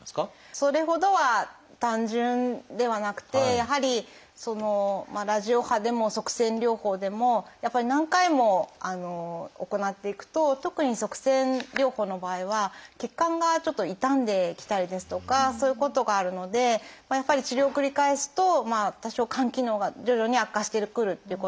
それほどは単純ではなくてやはりそのラジオ波でも塞栓療法でもやっぱり何回も行っていくと特に塞栓療法の場合は血管がちょっと傷んできたりですとかそういうことがあるのでやっぱり治療を繰り返すと多少肝機能が徐々に悪化してくるっていうことがあります。